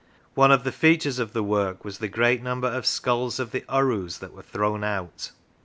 One of the features of the work was the great number of skulls of the urus that were thrown out.